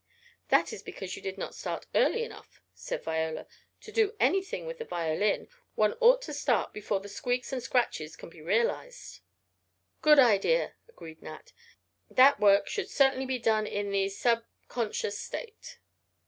"That is because you did not start early enough," said Viola. "To do anything with the violin one ought to start before the squeaks and scratches can be realized." "Good idea," agreed Nat. "That work should certainly be done in the sub conscious state."